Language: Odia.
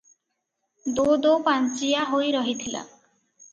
ଦୋ ଦୋ ପାଞ୍ଚିଆ ହୋଇ ରହିଥିଲା ।